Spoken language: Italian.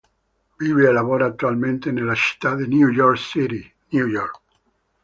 Vive e lavora attualmente nella città di New York City, New York.